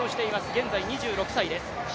現在２６歳です。